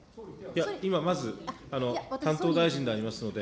いや、まず担当大臣でありますので。